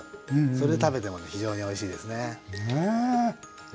それで食べてもね非常においしいですね。